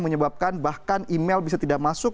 menyebabkan bahkan email bisa tidak masuk